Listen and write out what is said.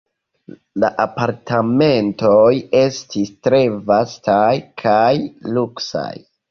La apartamentoj estis tre vastaj kaj luksaj.